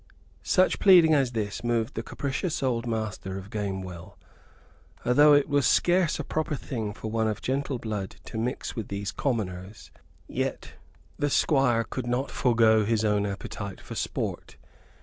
Such pleading as this moved the capricious old Master of Gamewell. Although it was scarce a proper thing for one of gentle blood to mix with these commoners, yet the Squire could not forego his own appetite for sport.